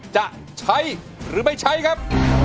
จะใช้หรือไม่ใช้ครับ